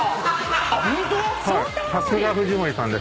さすが藤森さんです。